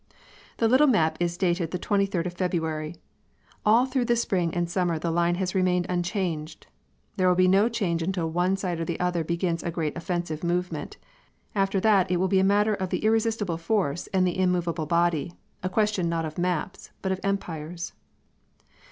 The little map is dated the twenty third of February. All through the spring and summer the line has remained unchanged. There will be no change until one side or the other begins a great offensive movement. After that it will be a matter of the irresistible force and the immovable body, a question not of maps but of empires.